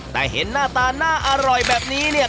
แต่เห็นหน้าตาน่าอร่อยแบบนี้เนี่ย